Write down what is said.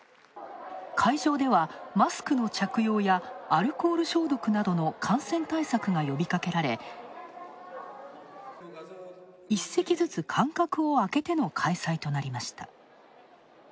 会場では、マスクの着用やアルコール消毒などの感染対策が呼びかけられ、一席ずつ間隔をあけての開催となりました。